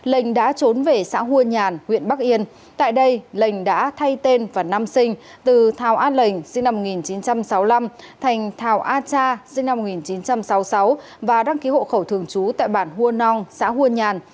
linh đã trốn về xã hua nhàn huyện bắc yên tại đây lành đã thay tên và năm sinh từ thảo a lệnh sinh năm một nghìn chín trăm sáu mươi năm thành thảo a cha sinh năm một nghìn chín trăm sáu mươi sáu và đăng ký hộ khẩu thường trú tại bản hua nong xã hua nhàn